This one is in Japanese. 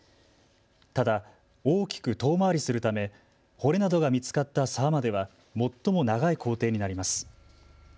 ただ大きく遠回りするため骨などが見つかった沢までは最も長い行程になります。